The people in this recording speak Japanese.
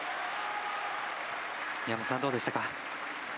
宮本さん、どうでしたか？